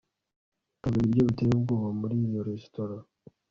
Batanga ibiryo biteye ubwoba muri iyo resitora